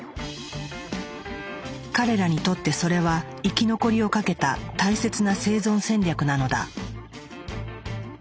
彼らにとってそれは生き残りを懸けた大切な生存戦略なのだ。